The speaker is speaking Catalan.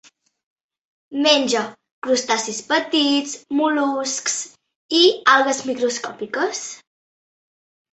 Menja crustacis petits, mol·luscs i algues microscòpiques.